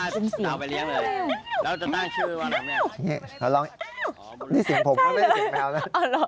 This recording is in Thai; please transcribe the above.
นี่นี่เสียงผมก็ไม่ได้เสียงแมวละ